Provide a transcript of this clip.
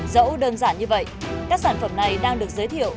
dẫu đơn giản như vậy các sản phẩm này đang được giới thiệu